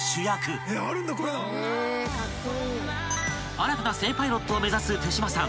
［新たな正パイロットを目指す手島さん］